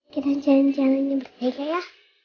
kita jalan jalannya bertiga ya